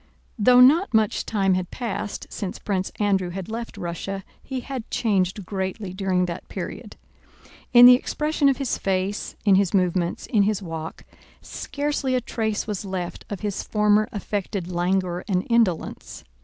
Though not much time had passed since Prince Andrew had left Russia, he had changed greatly during that period. In the expression of his face, in his movements, in his walk, scarcely a trace was left of his former affected languor and indolence.